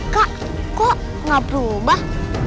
kak kok gak berubah